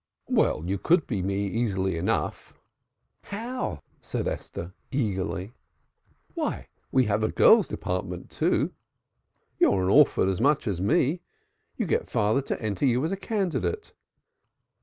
"Well, you could be me easily enough." "How?" said Esther, eagerly. "Why, we have a girls' department, too. You're an orphan as much as me. You get father to enter you as a candidate."